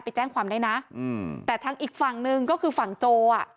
ไปแจ้งความได้นะอืมแต่ทางอีกฝั่งหนึ่งก็คือฝั่งโจอ่ะ